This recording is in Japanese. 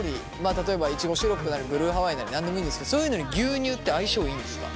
例えばイチゴシロップなりブルーハワイなり何でもいいんですけどそういうのに牛乳って相性いいんですか？